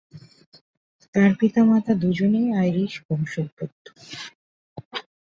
তার পিতামাতা দুজনেই আইরিশ বংশোদ্ভূত।